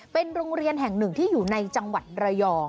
เป็นโรงเรียนแห่งหนึ่งที่อยู่ในจังหวัดระยอง